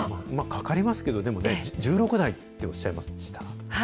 かかりますけど、でもね、１６代っておっしゃいました？